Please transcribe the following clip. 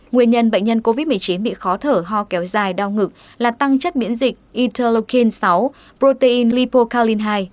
nguyên nhân bệnh nhân covid một mươi chín bị khó thở ho kéo dài đau ngực là tăng chất miễn dịch interleukin sáu protein lipocalin hai